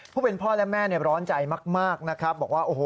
ผู้เป็นพ่อและแม่ร้อนใจมากบอกว่า